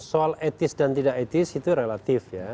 soal etnis dan tidak etnis itu relatif ya